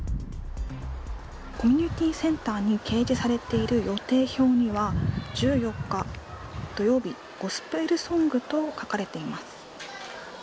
コミュニティセンターに掲示されている予定表には１４日土曜日ゴスペルソングと書かれています。